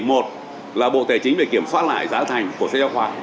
một là bộ tài chính về kiểm soát lại giá thành của sách giáo khoa